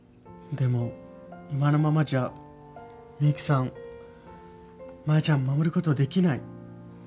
でも今のままじゃミユキさん、マヤちゃん守ることできない。